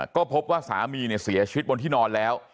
ก็พบว่าสามีเสียชีวิตบนที่นอนแล้ว